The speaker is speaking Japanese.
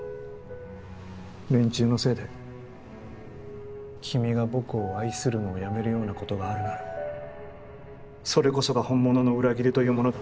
連中のせいで君が僕を愛するのをやめるようなことがあるならそれこそが本物の裏切りというものだ。